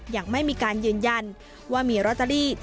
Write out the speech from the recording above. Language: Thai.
ยังไม่มีการยืนยันว่ามีลอตเตอรี่๑๘ล้านบาท